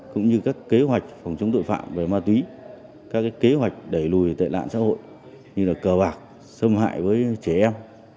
cũng như các kế hoạch phòng chống tội phạm về ma túy các kế hoạch đẩy lùi tệ nạn xã hội như là cờ bạc xâm hại với trẻ em